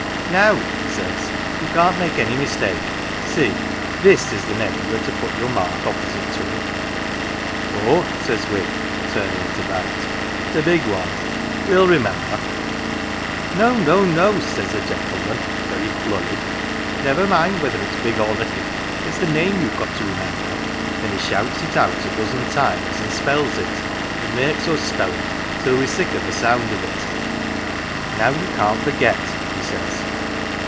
"* Now, 1 he says, ' you can't make any mistake. See this is the name you are to put your mark opposite to/ "' Oh, 1 says we, turnin' it about. ' The big one well remember.'* "' No, no, no," 1 says the gentleman, very flurried. ' Never mind whether it's big or little it's the name youVe got to remember.' 1 And he shouts it out a dozen times, and spells it, and makes us spell it, till we're sick of the sound of it. ' Now you can't forget,' he says.